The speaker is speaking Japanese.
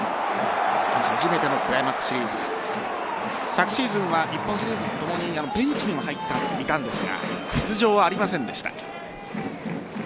初めてのクライマックスシリーズ。昨シーズンは日本シリーズともにベンチにも入っていたんですが出場はありませんでした。